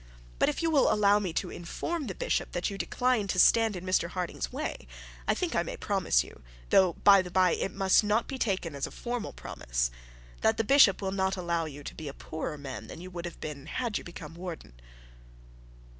But if you will allow me to inform his lordship that you decline to stand in Mr Harding's way, I think I may promise you though, by the bye, it must not be taken as a formal promise that the bishop will not allow you to be a poorer man than you would have been had you become warden.'